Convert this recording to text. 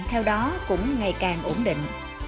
theo đó cũng ngày càng ổn định